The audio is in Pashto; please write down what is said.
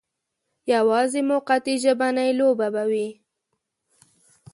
یوازې موقتي ژبنۍ لوبه به وي.